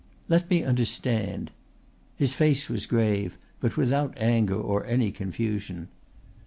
"Let me understand." His face was grave but without anger or any confusion.